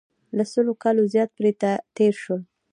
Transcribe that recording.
له سلو کالو زیات پرې تېر شول.